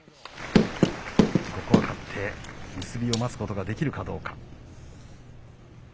ここを勝って結びを待つことができるかどうか。